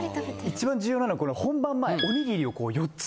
一番重要なのがこの本番前おにぎりを４つ。